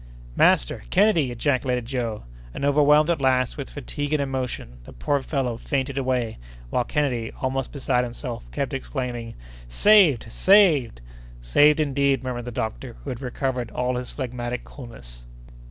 "Master! Kennedy!" ejaculated Joe, and overwhelmed, at last, with fatigue and emotion, the poor fellow fainted away, while Kennedy, almost beside himself, kept exclaiming: "Saved—saved!" "Saved indeed!" murmured the doctor, who had recovered all his phlegmatic coolness.